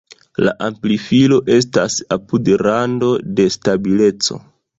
La amplifilo estas apud rando de stabileco.